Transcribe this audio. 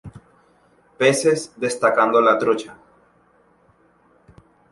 Peces destacando la trucha.